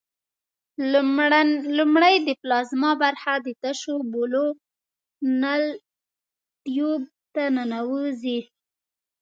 لومړی د پلازما برخه د تشو بولو نل ټیوب ته ننوزي.